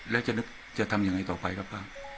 แล้วจะนึกจะทำยังไงต่อไปครับป้า